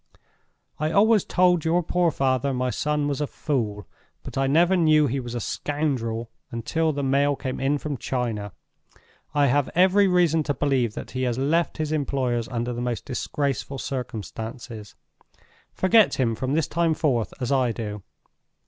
_ "I always told your poor father my son was a Fool, but I never knew he was a Scoundrel until the mail came in from China. I have every reason to believe that he has left his employers under the most disgraceful circumstances. Forget him from this time forth, as I do.